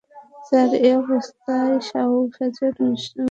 Sir, এই অবস্থায় সাওভ্যাজের অনুষ্ঠানে গেলে ঝামেলা হবে।